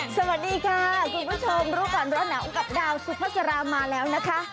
สวัสดีค่ะคุณผู้ชมรู้ก่อนร้อนหนาวกับดาวสุภาษามาแล้วนะคะ